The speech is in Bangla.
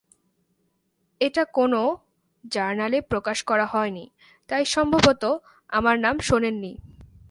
এটা কোনও জার্নালে প্রকাশ করা হয়নি তাই সম্ভবত আমার নাম শোনেননি।